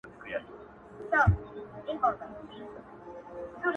اوس په فلسفه باندي پوهېږمه،